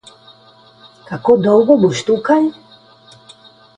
Kako dolgo boš tukaj?